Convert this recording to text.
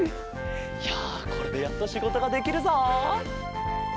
いやこれでやっとしごとができるぞ。